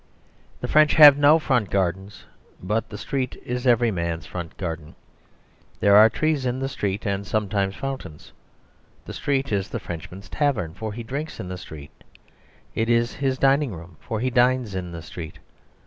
..... The French have no front gardens; but the street is every man's front garden. There are trees in the street, and sometimes fountains. The street is the Frenchman's tavern, for he drinks in the street. It is his dining room, for he dines in the street.